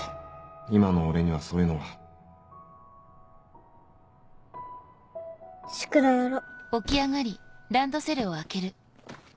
今の俺にはそういうのは宿題やろ。